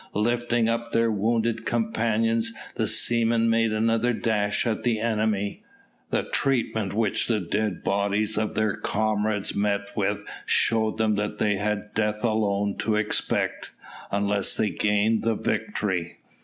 Lifting up their wounded companions, the seamen made another dash at the enemy. The treatment which the dead bodies of their comrades met with showed them that they had death alone to expect, unless they gained the victory.